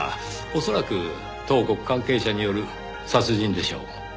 恐らく東国関係者による殺人でしょう。